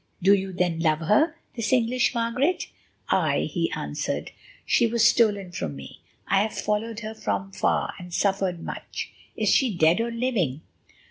Do you then love her—this English Margaret?" "Aye," he answered, "she was stolen from me; I have followed her from far, and suffered much. Is she dead or living?"